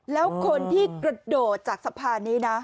แล้วคนที่กระโดดจากสะพานนี้นะ